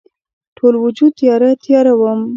ټول وجود تیاره، تیاره وم